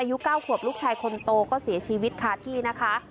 อายุ๙ขวบลูกชายคนโตก็เสียชีวิตคาที่นะคะ